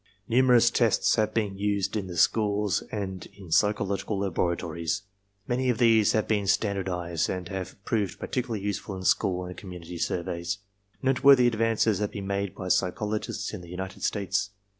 Nu merous tests have been used in the schools and in psychological laboratories. Many of these have been standardized and have proved particularly useful in school and community surveys. Noteworthy advances have been made by psychologists in the United States.